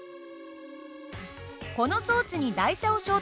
この装置に台車を衝突させます。